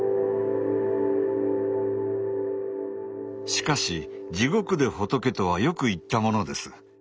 しかし地獄で仏とはよく言ったものです。